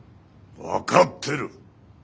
分かってる。